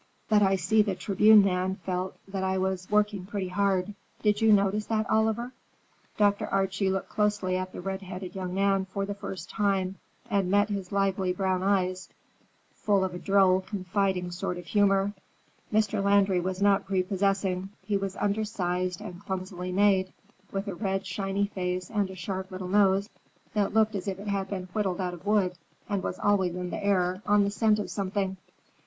But I see the Tribune man felt that I was working pretty hard. Did you see that notice, Oliver?" Dr. Archie looked closely at the red headed young man for the first time, and met his lively brown eyes, full of a droll, confiding sort of humor. Mr. Landry was not prepossessing. He was undersized and clumsily made, with a red, shiny face and a sharp little nose that looked as if it had been whittled out of wood and was always in the air, on the scent of something.